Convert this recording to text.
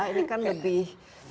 ini kan lebih